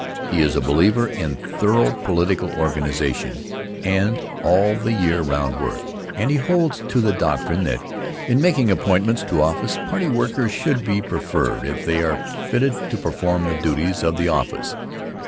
He is a believer in thorough political organization and all the year around work, and he holds to the doctrine that, in making appointments to office, party workers should be preferred if they are fitted to perform the duties of the office.